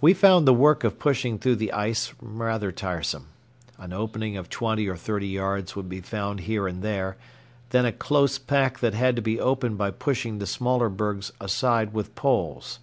We found the work of pushing through the ice rather tiresome. An opening of twenty or thirty yards would be found here and there, then a close pack that had to be opened by pushing the smaller bergs aside with poles.